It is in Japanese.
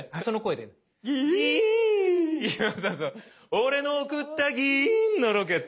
「俺の送ったギイーンのロケット」